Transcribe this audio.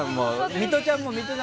ミトちゃんも。